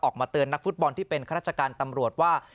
ออกมาเตือนนักฟุตบอลที่เป็นข้าราชการตำรวจว่า